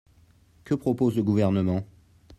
Que propose le Gouvernement ?